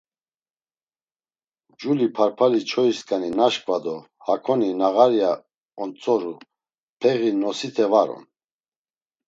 Culi parpali çoyisǩani naşǩva do hakoni nağarya ontzoru, peği nosite var on.